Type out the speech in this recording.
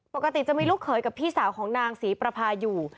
ปกติจะมีลูกเขยกับพี่สาวของนางศรีประพาอยู่